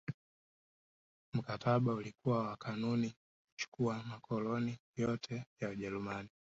Mkataba ulikuwa na kanuni za kuchukua makoloni yote ya Ujerumani